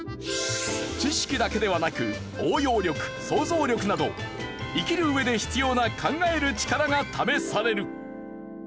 知識だけではなく応用力想像力など生きる上で必要な考える力が試される。